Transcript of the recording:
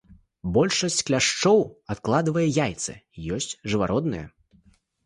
Большасць кляшчоў адкладвае яйцы, ёсць жывародныя.